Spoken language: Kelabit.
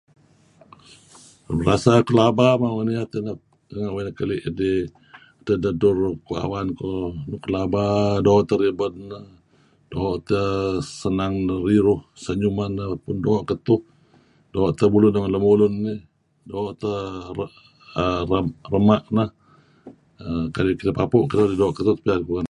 uih rasa pelaba mawang niat [unintelligible] rangah uih kalih idih adtah dasur kuh awan kuh, laba do tah rabad nah, do tah senang nah,[um] seyuman nah pun doq katuh, do tah buluh nah ngan lamulun[um]do tah um do tah ramah nah[um] kareb idah papuh. [unintelligible]